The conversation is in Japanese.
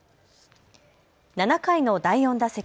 ７回の第４打席。